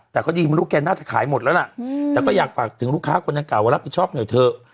แต่ก็ดีมันรู้แกน่าจะขายหมดแล้วล่ะแต่ก็อยากฝากถึงลูกค้ากรณกาลรับประชอบเหนื่อยเถอะ